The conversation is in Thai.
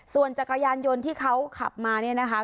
ส่วนจักรยานยนต์ที่เขาขับมาเนี่ยนะคะ